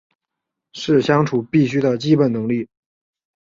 是相处必须的基本能力